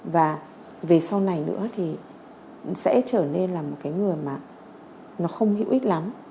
và về sau này nữa thì sẽ trở nên là một cái người mà nó không hữu ích lắm